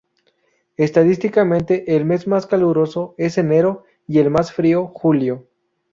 Estadísticamente, el mes más caluroso es enero, y el más frío julio.